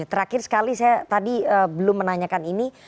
terakhir sekali saya tadi belum menanyakan ini